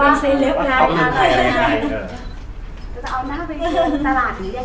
เพราะตอนนี้ทุกคนรู้จักแล้วว่าจะเอาหน้าไปเรียนตลาดนี้ยังไงได้ยังไงดีครับ